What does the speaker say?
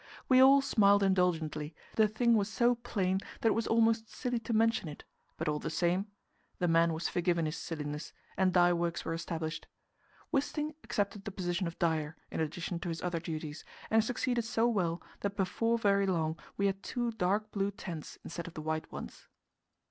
We all smiled indulgently; the thing was so plain that it was almost silly to mention it, but all the same the man was forgiven his silliness, and dye works were established. Wisting accepted the position of dyer, in addition to his other duties, and succeeded so well that before very long we had two dark blue tents instead of the white ones.